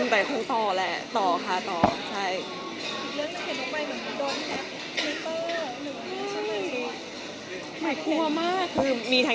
ต่อแล้วก็จะใช้โภต่าเต็มเหมือนเดิมซะแหละต่อแหละต่อค่ะต่อ